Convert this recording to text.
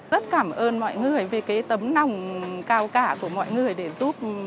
rất cảm ơn mọi người vì tấm nòng cao cả của mọi người